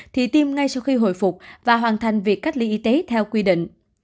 thì tiêm ngay sau khi hồi phục và hoàn thành việc cách ly y tế theo quy định